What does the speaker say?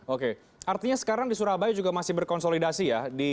oke artinya sekarang di surabaya juga masih berkonsolidasi ya